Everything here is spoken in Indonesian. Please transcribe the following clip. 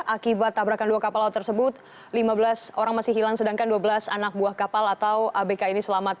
akibat tabrakan dua kapal laut tersebut lima belas orang masih hilang sedangkan dua belas anak buah kapal atau abk ini selamat